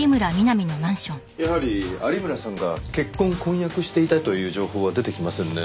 やはり有村さんが結婚婚約していたという情報は出てきませんね。